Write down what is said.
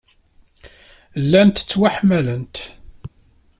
Llant ttwaḥemmlent.